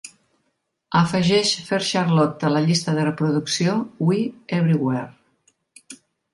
Afegeix Fair Charlotte a la llista de reproducció We Everywhere.